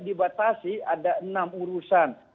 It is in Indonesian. dibatasi ada enam urusan